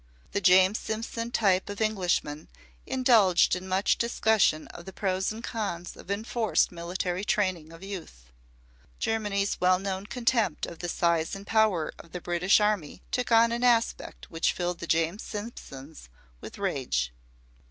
The James Simpson type of Englishman indulged in much discussion of the pros and cons of enforced military training of youth. Germany's well known contempt of the size and power of the British Army took on an aspect which filled the James Simpsons with rage.